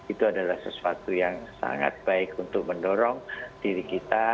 itu adalah sesuatu yang sangat baik untuk mendorong diri kita